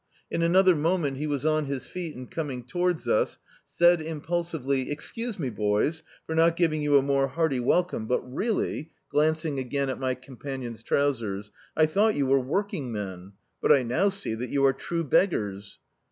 In another moment he was on his feet and ctxning towards us, said im* pulsively — "Excuse me, boys, for not ^ving you a more hearty welcome, but really —" glancing again at my companion's trousers — "I thought you were working men, but I now see &at you are true beg gars."